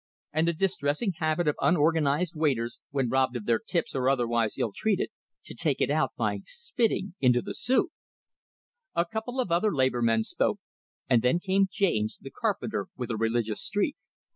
And the distressing habit of unorganized waiters, when robbed of their tips or otherwise ill treated, to take it out by spitting into the soup! A couple of other labor men spoke, and then came James, the carpenter with a religious streak.